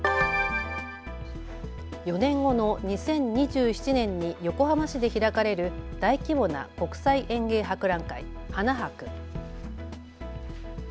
４年後の２０２７年に横浜市で開かれる大規模な国際園芸博覧会、花博。